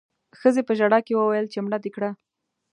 ښځې په ژړا کې وويل چې مړه دې کړه